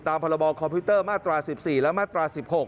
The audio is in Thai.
พรบคอมพิวเตอร์มาตรา๑๔และมาตรา๑๖